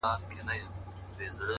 د ښاره ووزه، د نرخه ئې مه وزه.